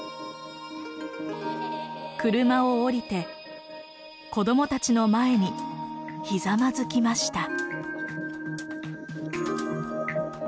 車を降りて子どもたちの前にひざまずきました。